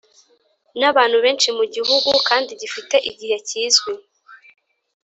N abantu benshi mu gihugu kandi gifite igihe kizwi